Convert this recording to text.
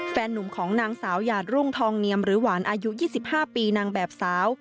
แฟนนุ่มของนางสาวหยาดรุ่งทองเนียมหรือหวานอายุ๒๕ปีนางแบบสาว